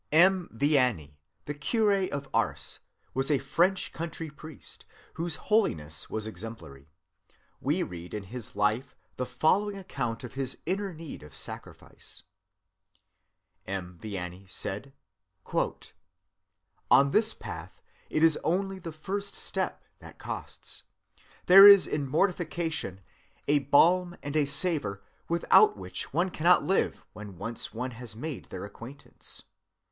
M. Vianney, the curé of Ars, was a French country priest, whose holiness was exemplary. We read in his life the following account of his inner need of sacrifice:— " 'On this path,' M. Vianney said, 'it is only the first step that costs. There is in mortification a balm and a savor without which one cannot live when once one has made their acquaintance.